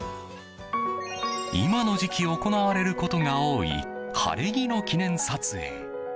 今の時期、行われることが多い晴れ着の記念撮影。